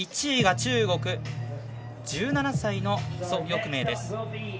１位が、中国１７歳の蘇翊鳴です。